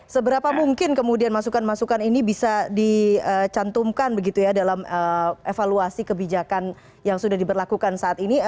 seberapa mungkin kemudian masukan masukan ini bisa dicantumkan begitu ya dalam evaluasi kebijakan yang sudah diberlakukan saat ini